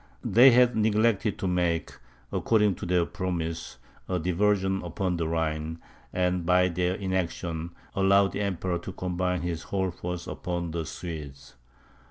They had neglected to make, according to their promise, a diversion upon the Rhine; and, by their inaction, allowed the Emperor to combine his whole force upon the Swedes.